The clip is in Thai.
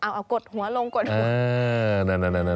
เอากดหัวลงกดหัว